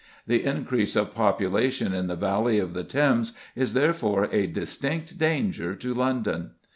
The increase of population in the valley of the Thames is therefore a distinct danger to London.